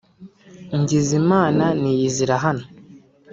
ngize Imana niyizira hano